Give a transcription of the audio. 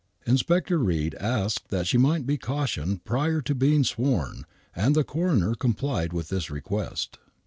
Inspector Reid asked that she might be cautioned prior to being sworn, and the coroner complied with his request.